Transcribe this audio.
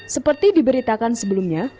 seperti diberitakan sebelumnya